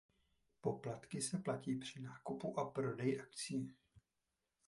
Poplatky se platí při nákupu a prodeji akcií.